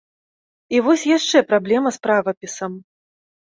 І вось яшчэ праблема з правапісам.